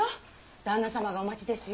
旦那様がお待ちですよ。